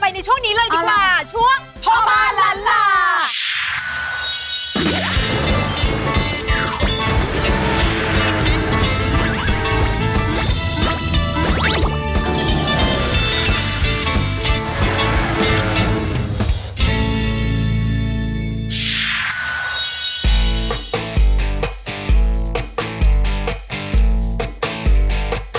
แล้วรู้หรือหลังอะอืม